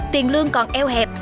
tiền lương còn eo hẹp